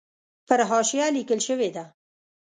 پر حاشیه لیکل شوې ده.